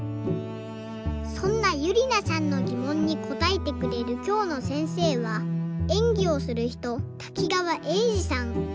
そんなゆりなさんのぎもんにこたえてくれるきょうのせんせいはえんぎをするひと滝川英治さん。